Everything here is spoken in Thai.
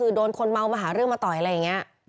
คือโดนคนเมามาหาเรื่องมาต่อยอะไรอย่างนี้